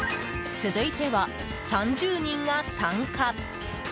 続いては３０人が参加。